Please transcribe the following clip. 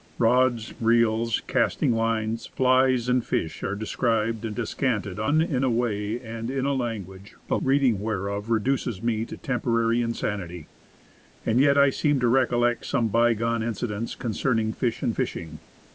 Rods, reels, casting lines, flies and fish are de scribed and descanted on in a way, and in a language, the reading whereof reduces me to temporary insanity. In Old Tinies. 51 And yet I seem to recollect some bygone incidents concerning fish and fishing.